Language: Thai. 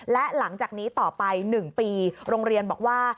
และหลังจากนี้ต่อไป๑ปีโรงเรียนบอกว่า